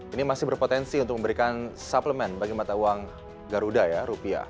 ini masih berpotensi untuk memberikan suplemen bagi mata uang garuda ya rupiah